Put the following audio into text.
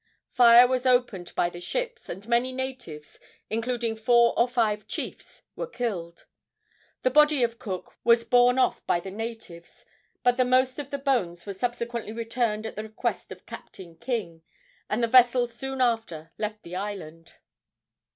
Fire was opened by the ships, and many natives, including four or five chiefs, were killed. The body of Cook was borne off by the natives, but the most of the bones were subsequently returned at the request of Captain King, and the vessels soon after left the island.